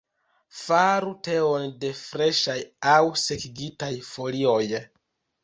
Faru teon de freŝaj aŭ sekigitaj folioj.